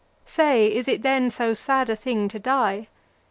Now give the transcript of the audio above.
Say, is it then so sad a thing to die?